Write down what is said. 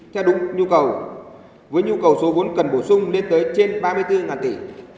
theo đúng nhu cầu với nhu cầu số vốn cần bổ sung lên tới trên ba mươi bốn tỷ